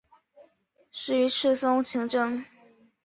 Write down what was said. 仕于赤松晴政。